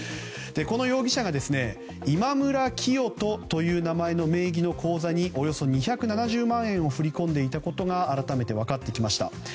この容疑者がイマムラキヨトという名前の名義の口座におよそ２７０万円を振り込んでいたことが改めて分かってきました。